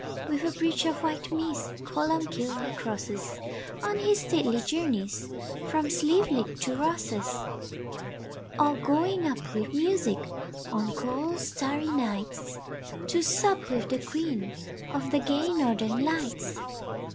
With a bridge of white mist Columbkill he crosses, On his stately journeys From Slieveleague to Rosses; Or going up with music On cold starry nights To sup with the Queen Of the gay Northern Lights.